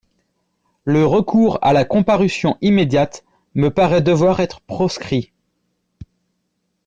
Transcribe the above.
Le recours à la comparution immédiate me paraît devoir être proscrit.